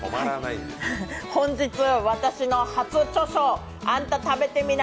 本日、私の初著書、「あんた、食べてみな！